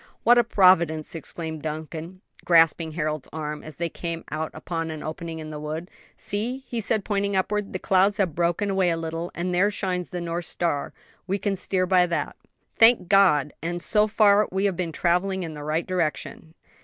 "What a providence!" exclaimed Duncan, grasping Harold's arm, as they came out upon an opening in the wood. "See!" and he pointed upward, "the clouds have broken away a little, and there shines the North Star: we can steer by that." "Thank God! and, so far, we have been traveling in the right direction."